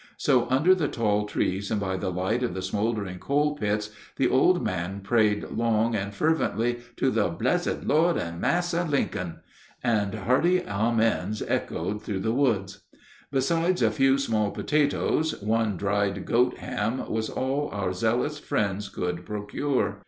So under the tall trees and by the light of the smoldering coal pits the old man prayed long and fervently to the "bressed Lord and Massa Lincoln," and hearty amens echoed through the woods. Besides a few small potatoes, one dried goat ham was all our zealous friends could procure.